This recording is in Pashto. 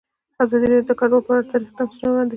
ازادي راډیو د کډوال په اړه تاریخي تمثیلونه وړاندې کړي.